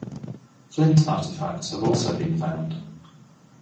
Flint artefacts have also been found.